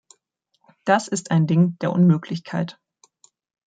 Das ist ein Ding der Unmöglichkeit.